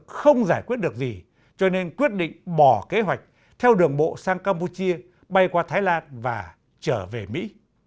không giải quyết được gì cho nên quyết định bỏ kế hoạch theo đường bộ sang campuchia bay qua thái lan và trở về mỹ